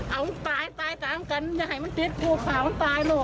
เอาตายตายตามกันอย่าให้มันติดพวกขาวมันตายแล้ว